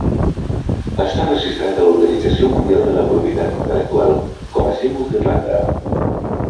Està registrat a l'Organització Mundial de la Propietat Intel·lectual com a símbol d'Irlanda.